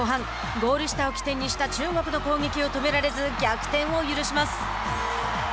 ゴール下を起点にした中国の攻撃を止められず逆転を許します。